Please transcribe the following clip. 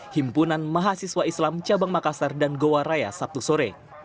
himpunan mahasiswa islam cabang makassar dan gowaraya sabtu sore